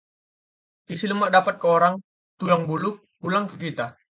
Isi lemak dapat ke orang, tulang bulu pulang ke kita